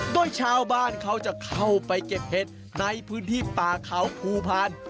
โดยชาวบ้านเขาจะเข้าไปเก็บเห็ดในพื้นที่ป่าเขาภูพาล